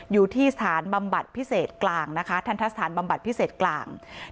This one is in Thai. อยู่ที่ทันทะสถานบำบัดพิเศษกลางนะคะ